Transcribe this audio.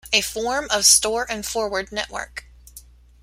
A form of store-and-forward network.